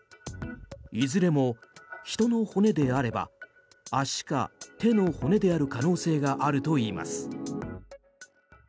いずれも人の骨であれば足か手の骨である可能性があるといいます。